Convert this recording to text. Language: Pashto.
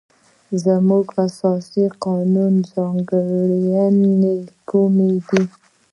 زموږ د اساسي قانون ځانګړنې کومې دي؟